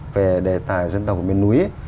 về đề tài dân tộc của miền núi